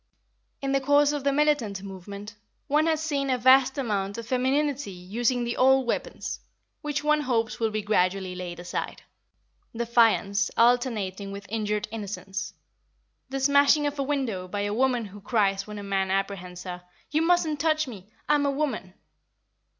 In the course of the militant movement, one has seen a vast amount of femininity using the old weapons, which one hopes will be gradually laid aside. Defiance alternating with injured innocence. The smashing of a window by a woman, who cries, when a man apprehends her, "You mustn't touch me! I'm a woman!"